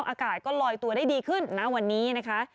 อากาศก็ลอยตัวได้ดีขึ้นณวันนี้นะคะ